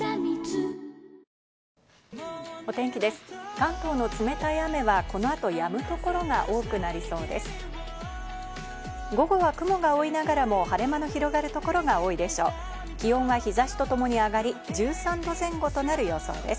関東の冷たい雨はこの後、やむ所が多くなりそうです。